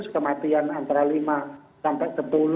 kematian antara lima sampai sepuluh